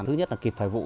thứ nhất là kịp phải vụ